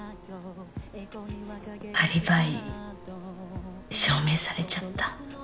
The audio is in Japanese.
アリバイ証明されちゃった